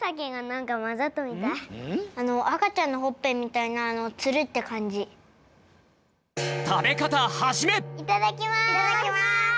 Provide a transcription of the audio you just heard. いただきます。